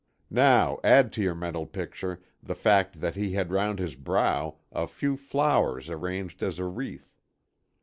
Now add to your mental picture the fact that he had round his brow a few flowers arranged as a wreath.